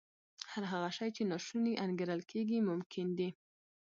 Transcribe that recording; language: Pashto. هر هغه شی چې ناشونی انګېرل کېږي ممکن دی